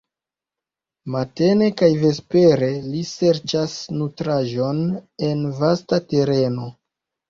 Matene kaj vespere ili serĉas nutraĵon en vasta tereno.